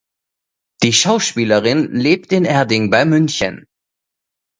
Die Schauspielerin lebt in Erding bei München.